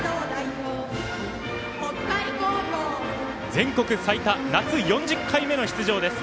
全国最多夏４０回目の出場です。